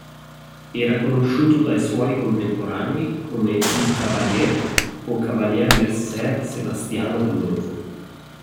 Era conosciuto dai suoi contemporanei come "il Cavalier" o "Cavalier messer Sebastiano Gandolfo".